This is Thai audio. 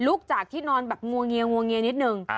ลุกจากที่นอนแบบงัวเงียนิดนึง